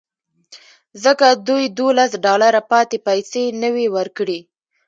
ځکه دوی دولس ډالره پاتې پیسې نه وې ورکړې